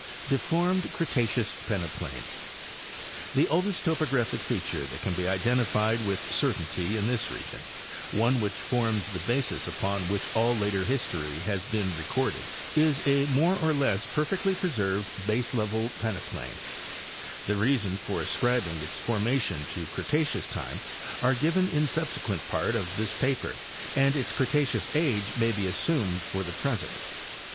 DEFORMED CRETACEOUS PENEPLAIN. The oldest topographic feature that can be identified with cer tainty in this region, one which forms the basis upon which all later history has been recorded, is a more or less perfectly pre served baselevel peneplain. The reasons for ascribing its forma tion to Cretaceous time are given in a subsequent part of this paper and its Cretaceous age may be assumed for the present.